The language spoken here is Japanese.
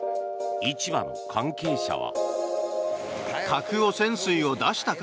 市場の関係者は。